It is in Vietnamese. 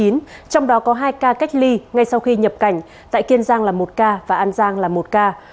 trong đó có hai ca cách ly ngay sau khi nhập cảnh tại kiên giang là một ca và an giang là một ca